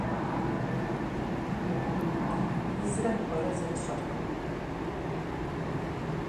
Это всё можно уничтожить и поправить.